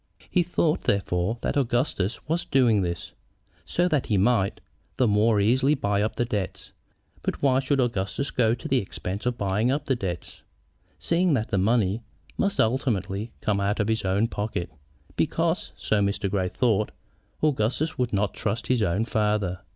He thought, therefore, that Augustus was doing this, so that he might the more easily buy up the debts. But why should Augustus go to the expense of buying up the debts, seeing that the money must ultimately come out of his own pocket? Because, so Mr. Grey thought, Augustus would not trust his own father.